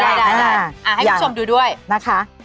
ได้ให้คุณผู้ชมดูด้วยนะคะ